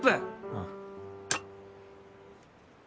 ああ。